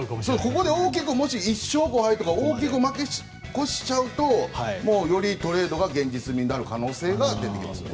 ここで１勝５敗とか大きく負け越しちゃうとよりトレードが現実になる可能性が出てきます。